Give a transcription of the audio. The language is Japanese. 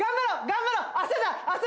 頑張ろう！